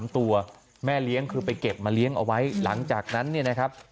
ตัวแม่เลี้ยงคือไปเก็บมาเลี้ยงเอาไว้หลังจากนั้นเนี่ยนะครับ